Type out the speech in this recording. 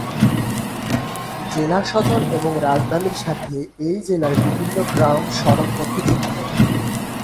জেলাসদর এবং রাজধানীর সাথে এই জেলার বিভিন্ন গ্রাম সড়ক পথে যুক্ত।